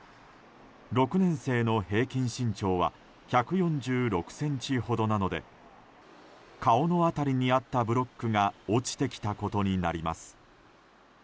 ６年生の平均身長は１４６ｃｍほどなので顔の辺りにあったブロックが落ちてきたことになります。